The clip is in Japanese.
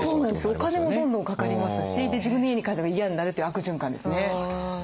お金もどんどんかかりますしで自分の家に帰るのが嫌になるという悪循環ですね。